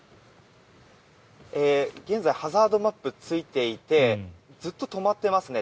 現在ハザードランプついていてずっと止まってますね。